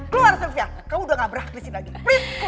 keluar sylvia kamu udah gak beraktifisasi lagi please keluar